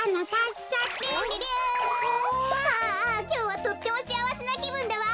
きょうはとってもしあわせなきぶんだわ。